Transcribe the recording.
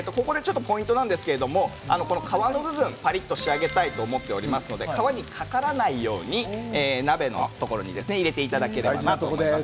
ポイントなんですが皮の部分をパリっと仕上げたいと思っておりますので皮にかからないように鍋のところに入れていただければと思います。